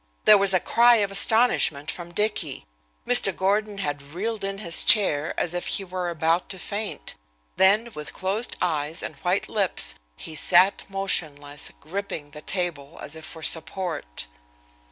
There was a cry of astonishment from Dicky. Mr. Gordon had reeled in his chair as if he were about to faint, then, with closed eyes and white lips, he sat motionless, gripping the table as if for support.